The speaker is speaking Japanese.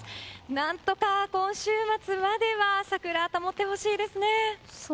何とか今週末までは桜、保ってほしいですね。